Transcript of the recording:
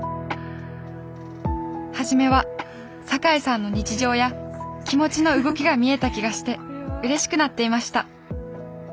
初めは坂井さんの日常や気持ちの動きが見えた気がしてうれしくなっていました。